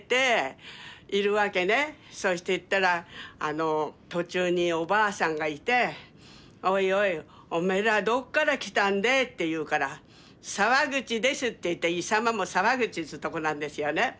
そうして行ったら途中におばあさんがいて「おいおいおめえらどっから来たんでぇ」って言うから「沢口です」って言って石間も沢口っていうとこなんですよね。